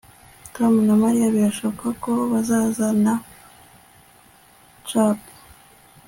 Tom na Mariya birashoboka ko bazaza na cab